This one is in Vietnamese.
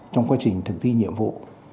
trong quá trình thực thi nhiệm vụ